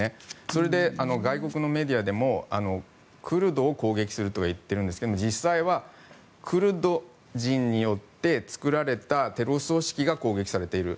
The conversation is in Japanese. それで外国のメディアでもクルドを攻撃すると言っているんですが実際はクルド人によって作られたテロ組織が攻撃されている。